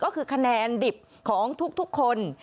ก็คือคะแนนดิบของทุกคน